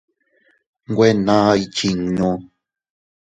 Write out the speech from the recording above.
Nwe naa ikchinnu.